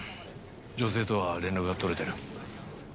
女性とは連絡が取れてる。